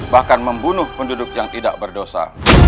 bahkan membunuh penduduk yang tidak berdosa